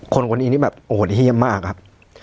คนคนนี้แบบโหดเฮียมมากครับ